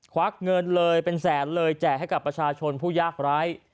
วักเงินเลยเป็นแสนเลยแจกให้กับประชาชนผู้ยากร้าย